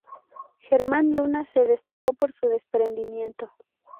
Germán Luna se destacó por su desprendimiento.